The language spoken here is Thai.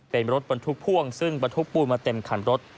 เป็นรถบรรทุกพ่วงซึ่งบรรทุกปูนมาเต็มคันรถ